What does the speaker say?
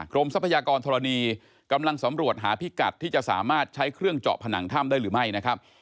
ทรัพยากรธรณีกำลังสำรวจหาพิกัดที่จะสามารถใช้เครื่องเจาะผนังถ้ำได้หรือไม่นะครับ